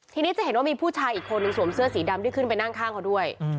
ทีนี้จะเห็นว่ามีผู้ชายอีกคนนึงสวมเสื้อสีดำที่ขึ้นไปนั่งข้างเขาด้วย